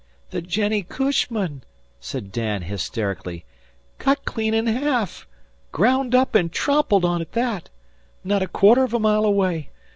"The Jennie Cushman," said Dan, hysterically, "cut clean in half graound up an' trompled on at that! Not a quarter of a mile away.